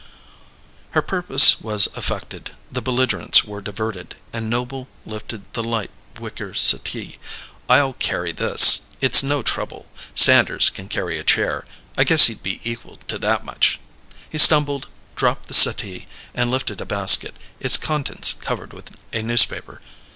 Her purpose was effected; the belligerents were diverted, and Noble lifted the light wicker settee. "I'll carry this," he said. "It's no trouble. Sanders can carry a chair I guess he'd be equal to that much." He stumbled, dropped the settee, and lifted a basket, its contents covered with a newspaper.